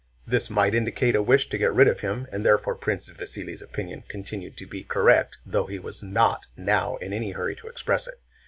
This might indicate a wish to get rid of him, and therefore Prince Vasíli's opinion continued to be correct though he was not now in any hurry to express it.